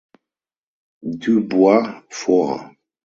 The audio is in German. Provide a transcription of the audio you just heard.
Du Bois vor.